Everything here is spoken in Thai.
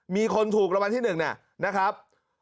มีคนถูกรางวัลที่๑นะครับ